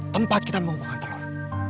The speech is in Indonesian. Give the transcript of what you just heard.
tempat kita mengumpulkan telur